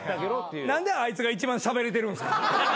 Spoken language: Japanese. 何であいつが一番しゃべれてるんですか？